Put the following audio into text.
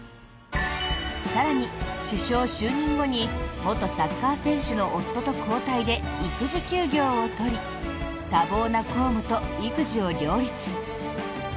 更に、首相就任後に元サッカー選手の夫と交代で育児休業を取り多忙な公務と育児を両立。